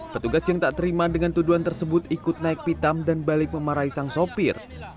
petugas yang tak terima dengan tuduhan tersebut ikut naik pitam dan balik memarahi sang sopir